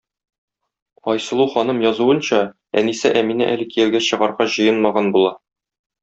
Айсылу ханым язуынча, әнисе Әминә әле кияүгә чыгарга җыенмаган була.